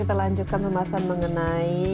kita lanjutkan pembahasan mengenai